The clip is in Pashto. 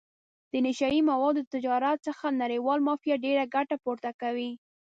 د نشه یي موادو د تجارت څخه نړیواله مافیا ډېره ګټه پورته کوي.